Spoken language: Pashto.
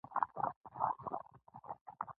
نه پوهېږم چې په کوم نامه یې یاد کړم